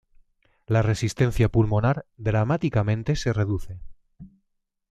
La resistencia pulmonar dramáticamente se reduce.